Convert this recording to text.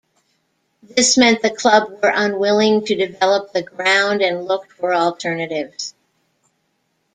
This meant the club were unwilling to develop the ground and looked for alternatives.